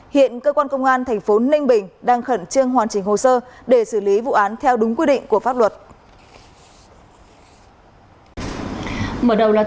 hiện cơ quan công an thành phố ninh bình đang khẩn trương hoàn chỉnh hồ sơ để xử lý vụ án theo đúng quy định của pháp luật